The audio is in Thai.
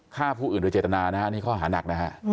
ฆ่าผู้อื่นโดยเจตนานี่เขาหาหนัก